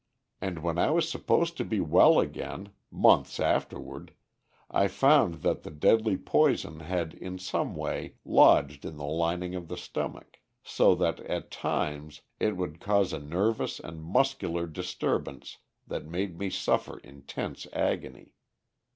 And when I was supposed to be well again, months afterward, I found that the deadly poison had in some way lodged in the lining of the stomach, so that, at times, it would cause a nervous and muscular disturbance that made me suffer intense agony.